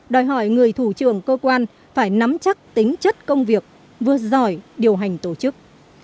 đòi hỏi người thủ trưởng cơ quan phải nắm chắc tính chất công việc vừa giỏi điều hành tổ chức